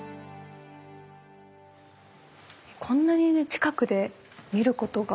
こんなにね近くで見ることが。